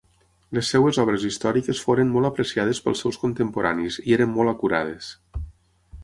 Les seves obres històriques foren molt apreciades pels seus contemporanis i eren molt acurades.